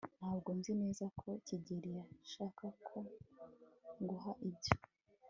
ntabwo nzi neza ko kigeri yashaka ko nguha ibyo